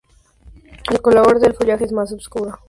El color del follaje es más oscuro.